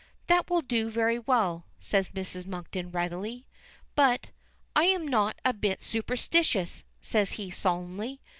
"That will do very well," says Mrs. Monkton readily. "But I'm not a bit superstitious," says he solemnly.